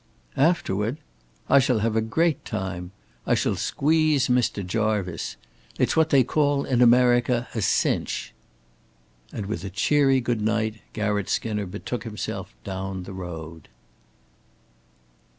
"Afterward? I shall have a great time. I shall squeeze Mr. Jarvice. It's what they call in America a cinch." And with a cheery good night Garratt Skinner betook himself down the road.